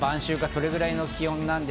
それぐらいの気温。